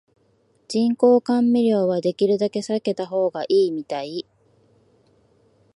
人工甘味料はできるだけ避けた方がいいみたい